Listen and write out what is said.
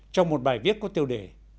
trong một bài viết có tiêu đề